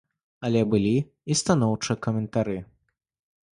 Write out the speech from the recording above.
Але былі і станоўчыя каментары.